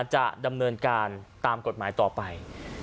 จะดำเนินการตามกฎหมายต่อไป